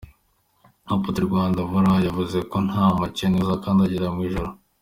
Apotre Rwandamura yavuze ko nta mukene uzakandagira mu ijuru.